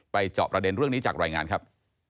จอบประเด็นเรื่องนี้จากรายงานครับ